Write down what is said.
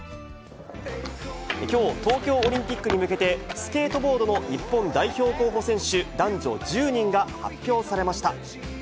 きょう、東京オリンピックに向けて、スケートボードの日本代表候補選手男女１０人が発表されました。